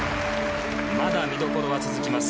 まだ見どころは続きます。